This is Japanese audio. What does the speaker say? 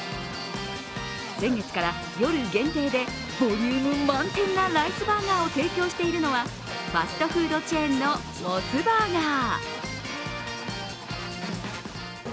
先月から夜限定でボリューム満点なライスバーガーを提供しているのはファストフードチェーンのモスバーガー。